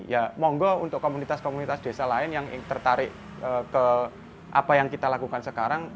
ya monggo untuk komunitas komunitas desa lain yang tertarik ke apa yang kita lakukan sekarang